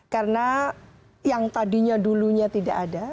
karena yang tadinya dulunya tidak ada